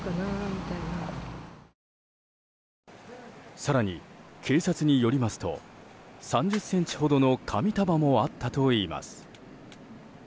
更に、警察によりますと３０ｃｍほどの紙束もあったといいます。